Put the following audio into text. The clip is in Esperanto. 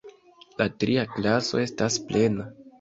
La tria klaso estas plena.